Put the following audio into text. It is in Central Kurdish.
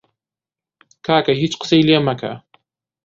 کاکە هیچ قسەی لێ مەکە!